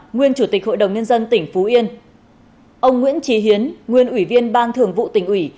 nguyên chủ tịch hội đồng nhân dân tỉnh phú yên ông nguyễn trí hiến nguyên ủy viên ban thường vụ tỉnh ủy